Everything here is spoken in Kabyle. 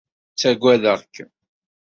Ttagadeɣ-kem.